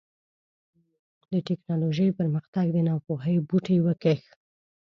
د ټيکنالوژۍ پرمختګ د ناپوهۍ بوټی وکېښ.